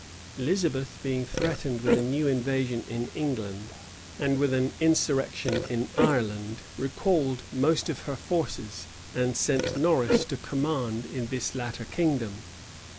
Elizabeth, being threatened with a new invasion in England, and with an insurrection in Ireland, recalled most of her forces, and sent Norris to command in this latter kingdom.